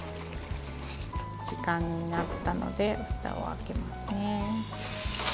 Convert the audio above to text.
時間になったのでふたを開けますね。